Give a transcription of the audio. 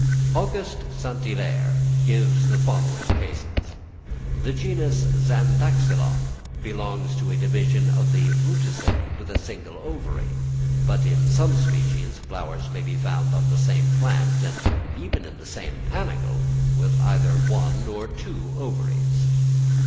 Aug. St. Hilaire gives the following cases: the genus Zanthoxylon belongs to a division of the Rutaceæ with a single ovary, but in some species flowers may be found on the same plant, and even in the same panicle, with either one or two ovaries.